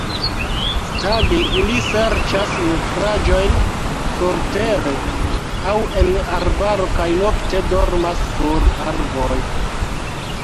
Tage ili serĉas nutraĵojn surtere aŭ en arbaro kaj nokte dormas sur arboj.